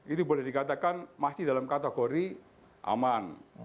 itu boleh dikatakan masih dalam kategori aman